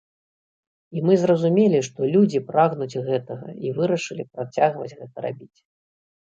І мы зразумелі, што людзі прагнуць гэтага, і вырашылі працягваць гэта рабіць.